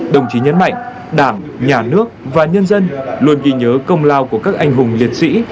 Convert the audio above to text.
đồng chí nhấn mạnh đảng nhà nước và nhân dân luôn ghi nhớ công lao của các anh hùng liệt sĩ